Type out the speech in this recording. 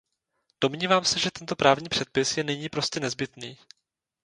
Domnívám se, že tento právní předpis je nyní prostě nezbytný.